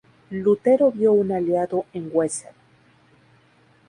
Lutero vio un aliado en Wessel.